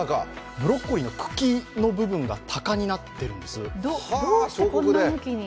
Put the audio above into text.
ブロッコリーの茎の部分が鷹になってるんです。